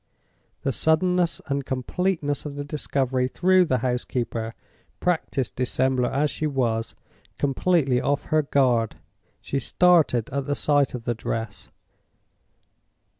The suddenness and completeness of the discovery threw the housekeeper, practiced dissembler as she was, completely off her guard. She started at the sight of the dress.